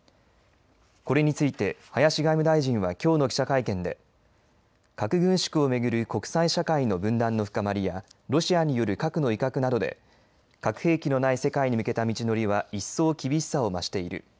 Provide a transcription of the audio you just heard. これについて林外務大臣はきょうの記者会見で核軍縮を巡る国際社会の分断の深まりやロシアによる核の威嚇などで核兵器のない世界に向けた道のりは一層厳しさを増している。